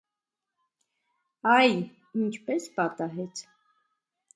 - Այ, ինչպես պատահեց: